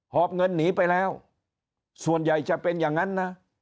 อบเงินหนีไปแล้วส่วนใหญ่จะเป็นอย่างนั้นนะ